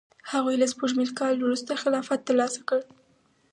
هغوی له سپوږمیز کال وروسته خلافت ترلاسه کړ.